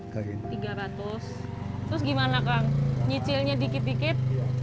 terus gimana kang nyicilnya dikit dikit